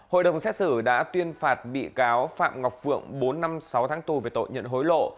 hội đồng xét xử đã tuyên phạt bị cáo phạm ngọc phượng bốn năm sáu tháng tù về tội nhận hối lộ